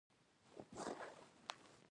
د خاشرود دښتې ګرمې دي